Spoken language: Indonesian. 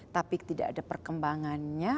tapi tidak ada perkembangannya